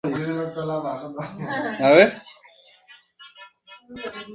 Fue apodado "El Kilómetro" por su corpulencia.